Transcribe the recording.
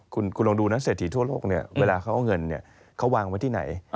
คุณลองดูนะเศรษฐีทั่วโลกเนี่ยเวลาเขาเอาเงินเขาวางไว้ที่ไหน